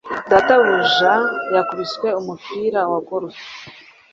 data buja yakubiswe umupira wa golf